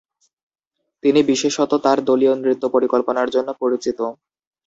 তিনি বিশেষত তাঁর দলীয় নৃত্য পরিকল্পনার জন্য পরিচিত।